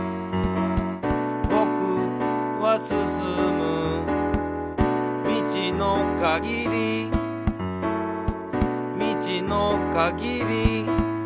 「ぼくはすすむ」「みちのかぎり」「みちのかぎり」